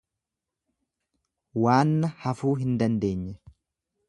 Waanna hafuu hin dandeenye.